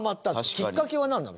きっかけはなんなの？